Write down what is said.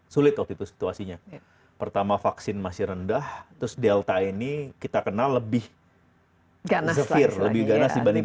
sulit waktu situasinya pertama vaksin masih rendah terus delta ini kita kenal lebih ganas di banding